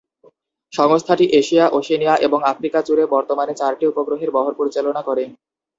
সংস্থাটি Asia, Oceania এবং Africa জুড়ে বর্তমানে চারটি উপগ্রহের বহর পরিচালনা করে।